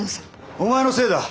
お前のせいだ。